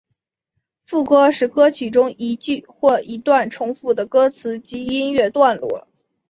副歌是歌曲中一句或一段重复的歌词及音乐段落。